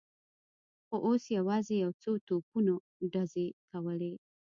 خو اوس یوازې یو څو توپونو ډزې کولې.